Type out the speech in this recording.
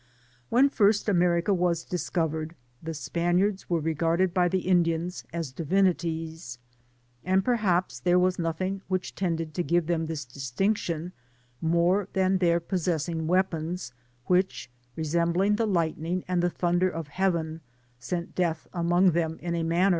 Wheh first Atnerica was discovered, the Spaniards yvete regarded by the Indians as divinities^ and perhaps there Was tiothmg which tended to give them this distinction, more than their possessing weapons, which, resembling the lightning and the thunder of Heaven, sent death among them in a Digitized byGoogk TRB PAMPAS INDIANS.